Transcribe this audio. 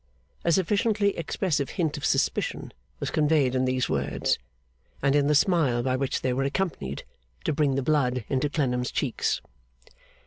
A sufficiently expressive hint of suspicion was conveyed in these words, and in the smile by which they were accompanied, to bring the blood into Clennam's cheeks.